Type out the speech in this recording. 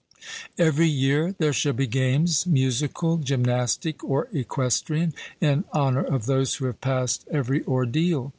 Every year there shall be games musical, gymnastic, or equestrian, in honour of those who have passed every ordeal.